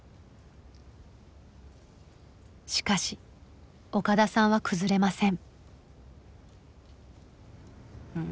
しかし岡田さんは崩れません。